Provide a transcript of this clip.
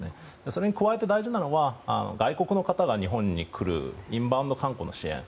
それに加えて大事なのは外国の方が日本に来るインバウンド観光の支援。